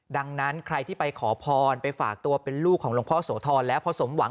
ดังนั้นใครที่ไปขอพรไปฝากตัวเป็นลูกของหลวงพ่อโสธรแล้วพอสมหวัง